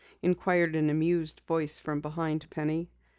inquired an amused voice from behind Penny.